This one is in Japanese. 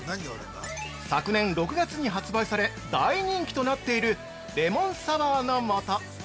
◆昨年６月に発売され大人気となっている「檸檬レモンサワーの素」